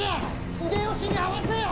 秀吉に会わせよ！